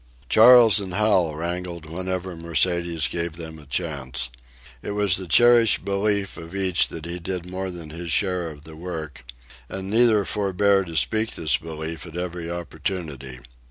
Charles and Hal wrangled whenever Mercedes gave them a chance. It was the cherished belief of each that he did more than his share of the work, and neither forbore to speak this belief at every opportunity.